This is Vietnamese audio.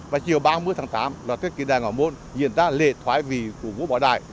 và chiều ba mươi tháng tám là kỷ niệm đài ngọc môn diễn ra lệ thoái vị của vua bảo đại